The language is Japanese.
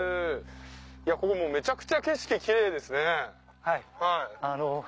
ここもうめちゃくちゃ景色キレイですね。